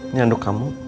ini handuk kamu